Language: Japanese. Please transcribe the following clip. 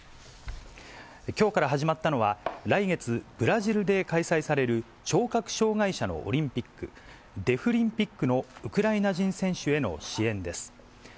きょうから始まったのは、来月、ブラジルで開催される聴覚障がい者のオリンピック、デフリンピックのウクライナ人選手への支援です。